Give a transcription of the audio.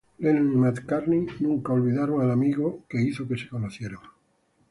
Lennon y McCartney nunca olvidaron al amigo que los había hecho conocerse.